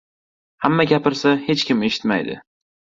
• Hamma gapirsa, hech kim eshitmaydi.